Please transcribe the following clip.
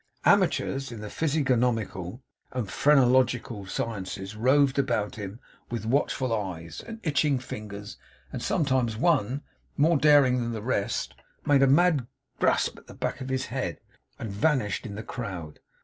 Amateurs in the physiognomical and phrenological sciences roved about him with watchful eyes and itching fingers, and sometimes one, more daring than the rest, made a mad grasp at the back of his head, and vanished in the crowd.